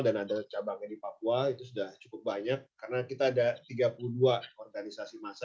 dan ada cabangnya di papua itu sudah cukup banyak karena kita ada tiga puluh dua organisasi massa